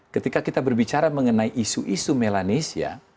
ketika kita berbicara mengenai isu isu melanesia